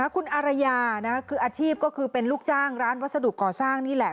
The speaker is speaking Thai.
คุณอารยาคืออาชีพก็คือเป็นลูกจ้างร้านวัสดุก่อสร้างนี่แหละ